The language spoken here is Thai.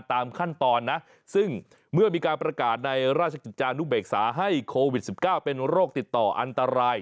ตามขั้นตอนนะซึ่งเมื่อมีการประกาศในราชกิจจานุเบกษาให้โควิด๑๙เป็นโรคติดต่ออันตราย